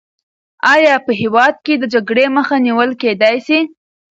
آیا په هېواد کې د جګړې مخه نیول کېدای سي؟